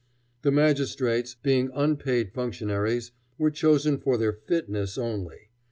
The magistrates, being unpaid functionaries, were chosen for their fitness only.